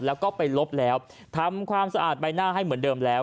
แล้วก็ไปลบแล้วทำความสะอาดใบหน้าให้เหมือนเดิมแล้ว